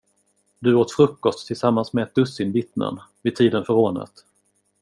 Du åt frukost tillsammans med ett dussin vittnen, vid tiden för rånet.